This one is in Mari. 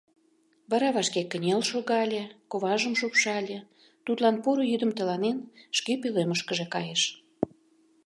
Вара вашке кынел шогале, коважым шупшале, тудлан поро йӱдым тыланен, шке пӧлемышкыже кайыш.